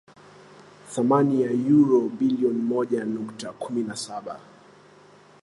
thamani ya euro bilioni moja nukta kumi na saba